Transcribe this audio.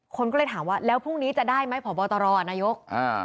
คนก็เลยถามว่าแล้วพรุ่งนี้จะได้ไหมพบตรนายก